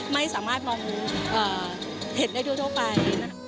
ไม่สามารถมองเห็นได้ทั่วไป